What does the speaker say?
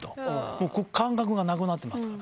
もう、感覚がなくなってますから。